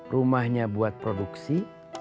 rumahnya buat produksi